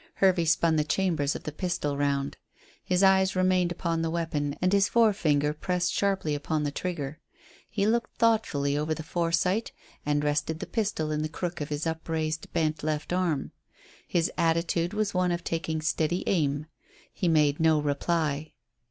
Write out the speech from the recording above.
Hervey spun the chambers of the pistol round. His eyes remained upon the weapon, and his forefinger pressed sharply upon the trigger. He looked thoughtfully over the fore sight and rested the pistol in the crook of his upraised, bent left arm. His attitude was one of taking steady aim. He made no reply.